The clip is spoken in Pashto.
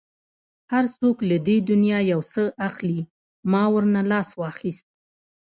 هر څوک له دې دنیا یو څه اخلي، ما ورنه لاس واخیست.